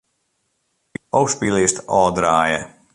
Ofspyllist ôfdraaie.